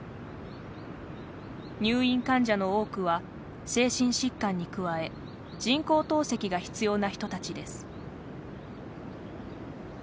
入院患者の多くは精神疾患に加え人工透析が必要な人たちです。